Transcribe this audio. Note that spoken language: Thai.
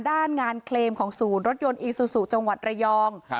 ด้านงานเคลมของศูนย์รถยนต์อีซูซูจังหวัดระยอง